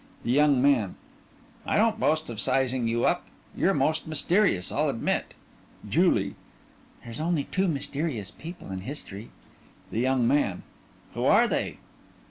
THE YOUNG MAN: I don't boast of sizing you up. You're most mysterious, I'll admit. JULIE: There's only two mysterious people in history. THE YOUNG MAN: Who are they?